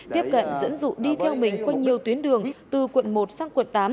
tiếp cận dẫn dụ đi theo mình qua nhiều tuyến đường từ quận một sang quận tám